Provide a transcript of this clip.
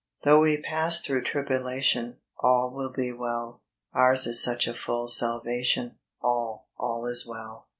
HP HOUGH we pass through tribulation, ^ All will be well: Ours is such a full salvation, All, all is well.